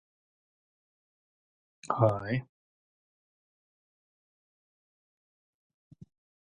This would be the last heard of the Specials for some time.